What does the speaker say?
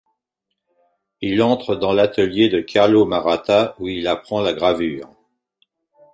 Il entre dans l’atelier de Carlo Maratta où il apprend la gravure.